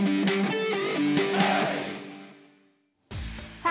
さあ